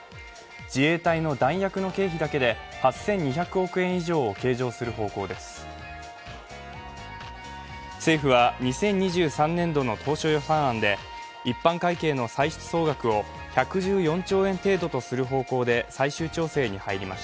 自衛隊の弾薬の経費だけで８２００億円以上を計上する方向です。